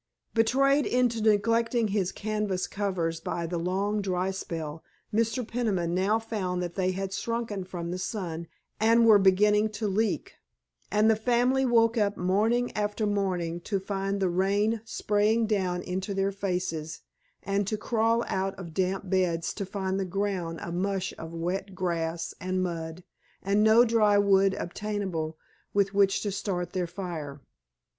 Betrayed into neglecting his canvas covers by the long dry spell Mr. Peniman now found that they had shrunken from the sun and were beginning to leak, and the family woke morning after morning to find the rain spraying down into their faces, and to crawl out of damp beds to find the ground a mush of wet grass and mud, and no dry wood obtainable with which to start their fire.